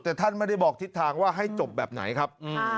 แต่ท่านไม่ได้บอกทิศทางว่าให้จบแบบไหนครับ